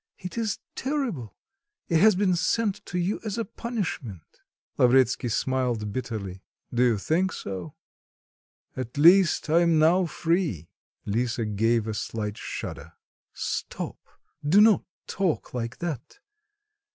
It is terrible. It has been sent to you as a punishment." Lavretsky smiled bitterly. "Do you think so? At least, I am now free." Lisa gave a slight shudder. "Stop, do not talk like that.